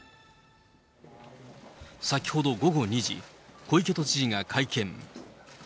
先ほど午後２時、小池都知事が会見。